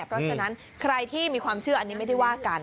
เพราะฉะนั้นใครที่มีความเชื่ออันนี้ไม่ได้ว่ากัน